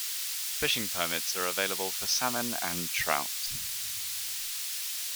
Fishing permits are available for salmon and trout.